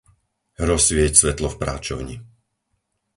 Rozsvieť svetlo v práčovni.